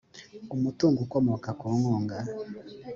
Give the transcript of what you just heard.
umutungo ukomoka ku nkunga